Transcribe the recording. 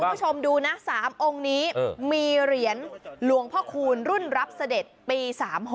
คุณผู้ชมดูนะ๓องค์นี้มีเหรียญหลวงพ่อคูณรุ่นรับเสด็จปี๓๖